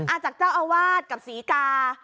อาจจะสถานการณ์สีกา